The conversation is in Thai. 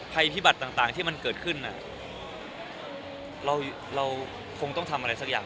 ภัยพิบัติต่างที่มันเกิดขึ้นเราคงต้องทำอะไรสักอย่าง